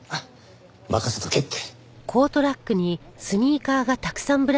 任せとけって。